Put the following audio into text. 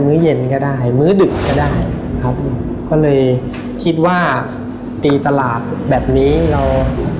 ก็ได้ครับก็เลยคิดว่าตีตลาดแบบนี้เรา